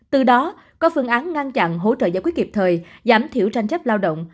từ đó có phương án ngăn chặn hỗ trợ giải quyết kịp thời giảm thiểu tranh chấp lao động